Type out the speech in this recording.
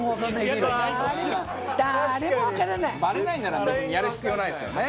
バレないなら別にやる必要ないですよね。